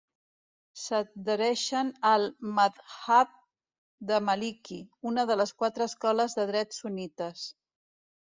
S'adhereixen al madhhab de Maliki, una de les quatre escoles de dret sunnites.